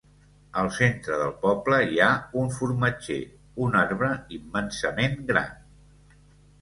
Al centre del poble hi ha un formatger, un arbre immensament gran.